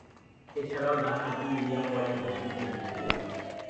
এছাড়াও ডানহাতে medium bowling করতেন তিনি।